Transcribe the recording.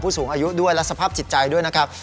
สูงอายุด้วยและสภาพจิตใจด้วยนะครับ